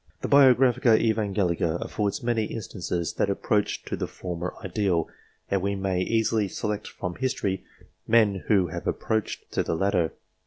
The " Biographia Evangelica " affords many instances that approach to the former ideal, and we may easily select from history men who have ap proached to the latter.